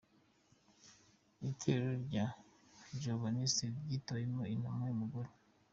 Itorero rya Jehovanisi ryitoyemo intumwa y’umugore